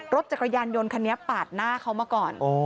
รถจักรยานยนต์คันนี้ปาดหน้าเขามาก่อน